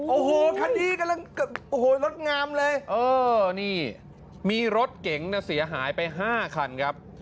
โอ้โหรถงามเลยมีรถเก๋งเสียหายไป๕คันครับ